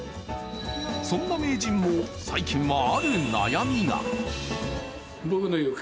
そんな名人も最近はある悩みが。